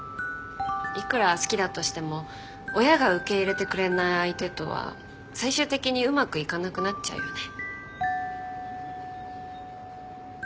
いくら好きだとしても親が受け入れてくれない相手とは最終的にうまくいかなくなっちゃうよね。